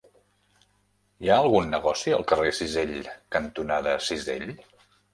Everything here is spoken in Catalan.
Hi ha algun negoci al carrer Cisell cantonada Cisell?